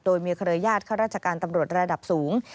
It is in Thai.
โดยมีเครือยาศข้าราชการตำรวจระดับสูง